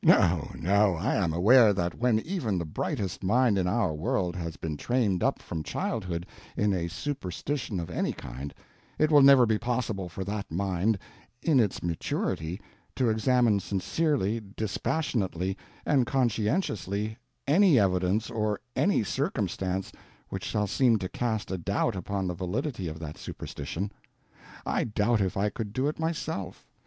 No, no, I am aware that when even the brightest mind in our world has been trained up from childhood in a superstition of any kind, it will never be possible for that mind, in its maturity, to examine sincerely, dispassionately, and conscientiously any evidence or any circumstance which shall seem to cast a doubt upon the validity of that superstition. I doubt if I could do it myself.